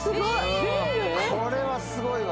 これはすごいわ。